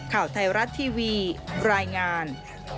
ข่าวไทยรัฐทีวีรายงาน